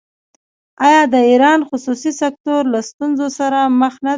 آیا د ایران خصوصي سکتور له ستونزو سره مخ نه دی؟